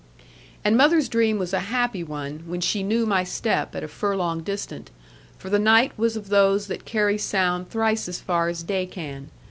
And mother's dream was a happy one, when she knew my step at a furlong distant; for the night was of those that carry sound thrice as far as day can.